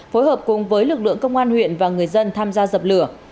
phối hợp cùng với lực lượng công an huyện và người dân tham gia dập lửa